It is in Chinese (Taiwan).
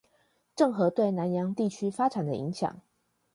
鄭和對南洋地區發展的影響